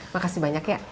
makasih banyak ya